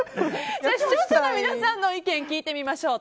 視聴者の皆さんの意見聞いてみましょう。